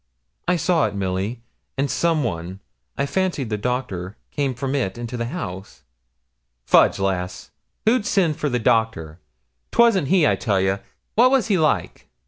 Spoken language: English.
'I saw it, Milly; and some one, I fancy the doctor, came from it into the house.' 'Fudge, lass! who'd send for the doctor? 'Twasn't he, I tell you. What was he like?'